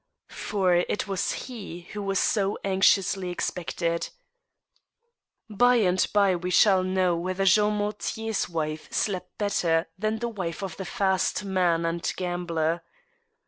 For it was he who was so anxiously expected. By and by we shall know whether Jean Mortier's wife slept bet ter than the vdfe of the fast man and gambler.